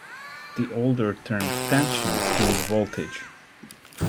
The older term "tension" means "voltage".